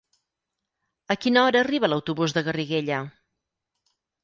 A quina hora arriba l'autobús de Garriguella?